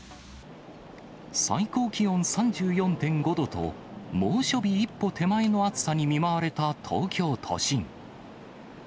最高気温３４．５度と、猛暑日一歩手前の暑さに見舞われた東京都心。